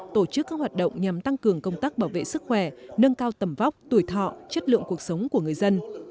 tổ chức các hoạt động nhằm tăng cường công tác bảo vệ sức khỏe nâng cao tầm vóc tuổi thọ chất lượng cuộc sống của người dân